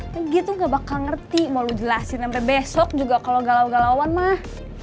dia tuh nggak bakal ngerti mau lo jelasin sampai besok juga kalau galau galauan mah